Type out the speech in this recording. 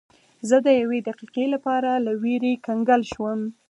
زه د یوې دقیقې لپاره له ویرې کنګل شوم.